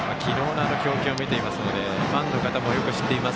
昨日の強肩を見ていますのでファンの方もよく知っています。